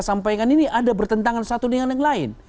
sampaikan ini ada bertentangan satu dengan yang lain